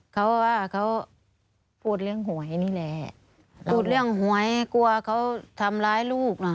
เขาว่าเขาพูดเรื่องหวยนี่แหละพูดเรื่องหวยกลัวเขาทำร้ายลูกน่ะ